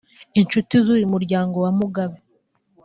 Inshuti z’uyu muryango wa Mugabe